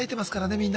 みんな。